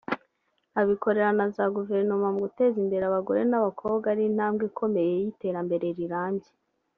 abikorera na za Guverinoma mu guteza imbere abagore n’abakobwa ari intambwe ikomeye y’iterambere rirambye